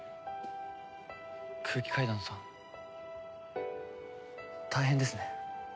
空気階段さん大変ですね。